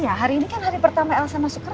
iachikannya kayaknya dia diatore sesuatu